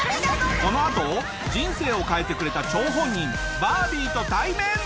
このあと人生を変えてくれた張本人バービーと対面！